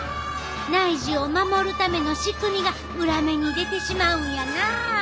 内耳を守るための仕組みが裏目に出てしまうんやなあ。